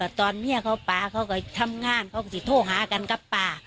ตอนนี้เขาป่าเขาก็ทำงานเขาก็จะโทรหากันกับป้า